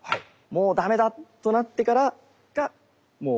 もう駄目だとなってからがもう。